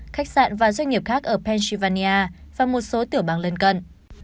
khách sạn và doanh nghiệp khác ở pennsylvania và một số tiểu bang lân cận